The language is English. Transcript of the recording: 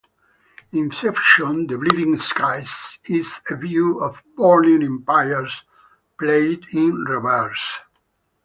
"Inception the Bleeding Skies" is "A View of Burning Empires" played in reverse.